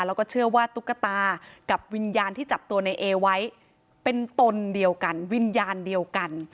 แล้วก็เชื่อว่าตุ๊กตากับวิญญาณที่จับตัวในเอไว้เป็นตนเดียวกันวิญญาณเดียวกัน